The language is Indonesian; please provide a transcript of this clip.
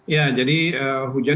ya jadi hujan